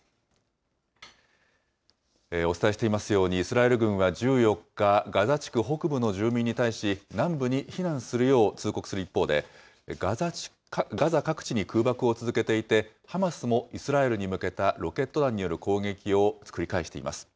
お伝えしていますように、イスラエル軍は１４日、ガザ地区北部の住民に対し、南部に避難するよう通告する一方で、ガザ各地に空爆を続けていて、ハマスもイスラエルに向けたロケット弾による攻撃を繰り返しています。